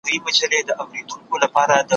مجبوره ته مه وايه، چي غښتلې.